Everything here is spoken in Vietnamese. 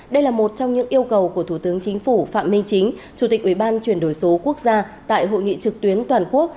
đây là một trong những yêu cầu của thủ tướng chính phủ phạm minh chính chủ tịch ủy ban chuyển đổi số quốc gia tại hội nghị trực tuyến toàn quốc